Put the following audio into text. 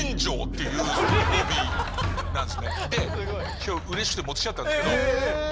今日うれしくて持ってきちゃったんですけど。